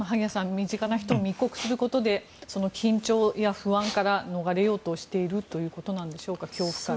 身近な人を密告することで緊張や不安から逃れようとしているということなんでしょうか恐怖から。